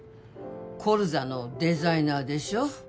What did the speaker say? コルザのデザイナーでしょ